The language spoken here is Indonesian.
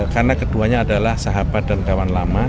karena keduanya adalah sahabat dan kawan lama